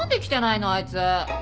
あいつ。